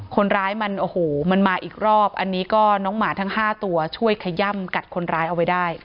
คนร้ายมันโอ้โหมันมาอีกรอบอันนี้ก็น้องหมาทั้ง๕ตัวช่วยขย่ำกัดคนร้ายเอาไว้ได้